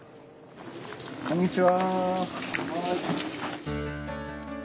こんにちは。